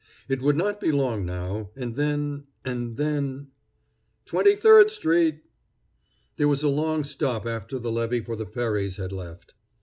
It would not be long now, and then and then "Twenty third street!" There was a long stop after the levy for the ferries had left.